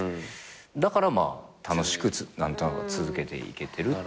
だからまあ楽しく何となく続けていけてるっていう。